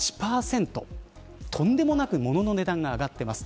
とんでもなく物の値段が上がっています。